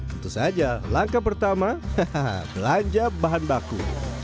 tentu saja langkah pertama belanja bahan baku